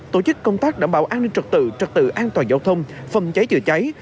tổ chức công tác đảm bảo an ninh trật tự trật tự an toàn giao thông phòng cháy chữa cháy